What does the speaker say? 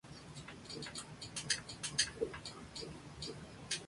Volvió enfermo a España dos meses antes de morir, de cáncer, en Madrid.